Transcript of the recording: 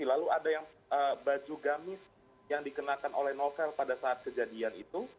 lalu ada yang baju gamis yang dikenakan oleh novel pada saat kejadian itu